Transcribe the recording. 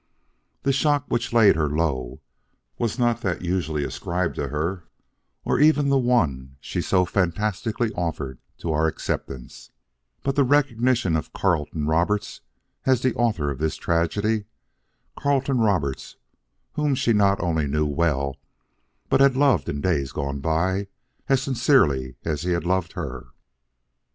The shock which laid her low was not that usually ascribed to her, or even the one she so fantastically offered to our acceptance; but the recognition of Carleton Roberts as the author of this tragedy, Carleton Roberts whom she not only knew well but had loved in days gone by, as sincerely as he had loved her.